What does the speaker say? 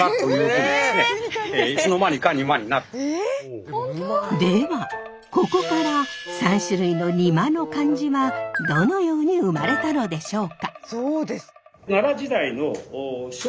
当初ではここから３種類のにまの漢字はどのように生まれたのでしょうか？